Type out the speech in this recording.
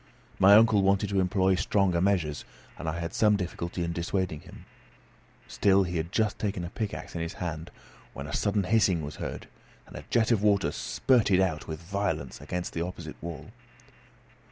My uncle wanted to employ stronger measures, and I had some difficulty in dissuading him; still he had just taken a pickaxe in his hand, when a sudden hissing was heard, and a jet of water spurted out with violence against the opposite wall.